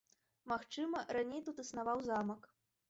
Магчыма, раней тут існаваў замак.